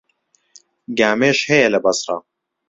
گامێش هەیە لە بەسڕە.